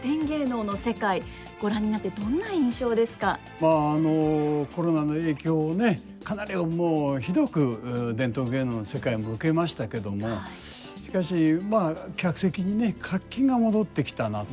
まああのコロナの影響ねかなりひどく伝統芸能の世界も受けましたけどもしかしまあ客席にね活気が戻ってきたなと。